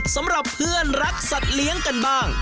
สำหรับเพื่อนรักสัตว์เลี้ยงกันบ้าง